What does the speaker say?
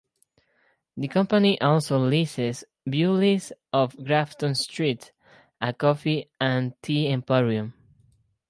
The company also leases Bewley's of Grafton Street, a coffee and tea emporium.